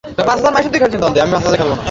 একটু চাটতে পারি?